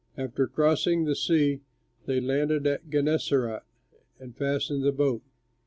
After crossing the sea they landed at Gennesaret and fastened the boat.